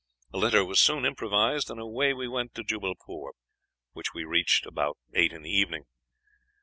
A litter was soon improvised, and away we went to Jubbalpore, which we reached about eight in the evening.